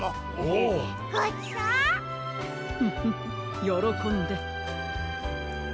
フフフよろこんで。